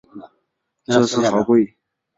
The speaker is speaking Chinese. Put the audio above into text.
这次好贵